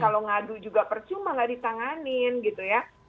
kalau ngadu juga percuma nggak ditanganin gitu ya